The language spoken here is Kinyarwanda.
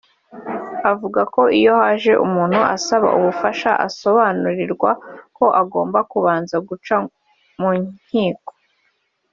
avuga ko iyo haje umuntu asaba ubufasha asobanurirwa ko agomba kubanza guca mu nkiko